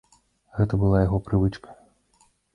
Гэта была яго прывычка.